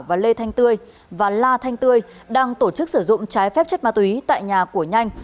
và lê thanh tươi và la thanh tươi đang tổ chức sử dụng trái phép chất ma túy tại nhà của nhanh